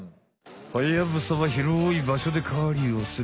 ハヤブサはひろいばしょで狩りをする。